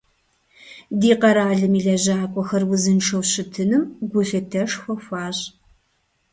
Ди къэралым и лэжьакӀуэхэр узыншэу щытыным гулъытэшхуэ хуащӀ.